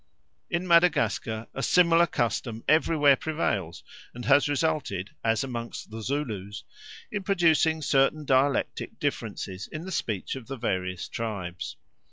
In Madagascar a similar custom everywhere prevails and has resulted, as among the Zulus, in producing certain dialectic differences in the speech of the various tribes.